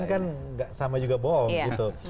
ketika dikerjain kan gak sama juga bohong gitu